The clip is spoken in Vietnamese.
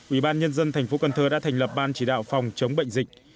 ủy ban nhân dân tp cn đã thành lập ban chỉ đạo phòng chống bệnh dịch